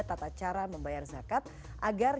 tata cara membayar zakat agar